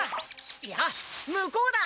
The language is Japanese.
いや向こうだ！